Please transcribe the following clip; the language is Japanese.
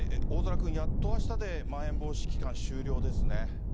大空君、やっと明日でまん延防止期間終了ですね。